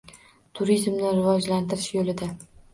Turizmni rivojlantirish yo‘lida